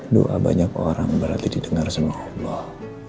doa banyak orang berarti didengar sama allah